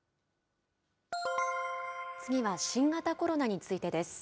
次は新型コロナについてです。